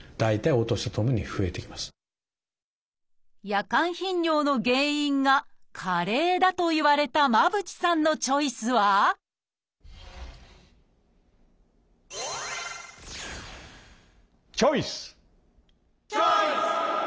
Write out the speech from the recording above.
夜間頻尿の原因が加齢だと言われた間渕さんのチョイスはチョイス！